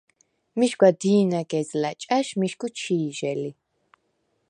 მიშგვა დი̄ნაგეზლა̈ ჭა̈ში მიშგუ ჩი̄ჟე ლი.